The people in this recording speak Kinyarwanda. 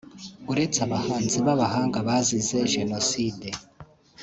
uretse abahanzi b’abahanga bazize jenoside